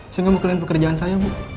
saya gak mau kehilangan pekerjaan saya bu